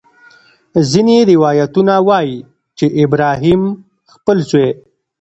ځینې روایتونه وایي چې ابراهیم خپل زوی.